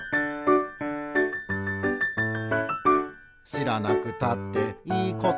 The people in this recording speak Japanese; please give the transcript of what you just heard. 「しらなくたっていいことだけど」